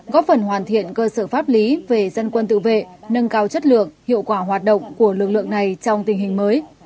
góp phần hoàn thiện cơ sở pháp lý về dân quân tự vệ nâng cao chất lượng hiệu quả hoạt động của lực lượng này trong tình hình mới